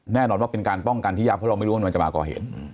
แน่นอนว่าเป็นการป้องกันที่ยากเพราะเราไม่รู้ว่ามันจะมาก่อเหตุ